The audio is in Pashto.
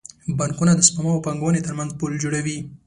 بانکونه د سپما او پانګونې ترمنځ پل جوړوي.